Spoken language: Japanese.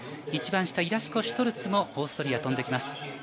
一番下イラシュコシュトルツオーストリア、飛んできます。